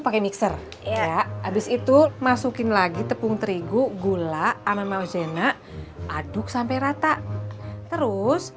pakai mixer ya abis itu masukin lagi tepung terigu gula sama malzena aduk sampai rata terus